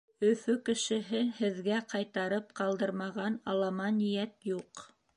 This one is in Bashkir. Өфө кешеһе һеҙгә ҡайтарып ҡалдырмаған алама ниәт юҡ.